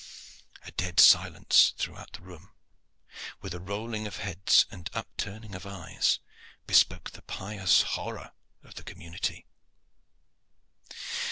A dead silence throughout the room, with a rolling of heads and upturning of eyes, bespoke the pious horror of the community.